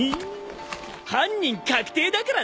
犯人確定だからな！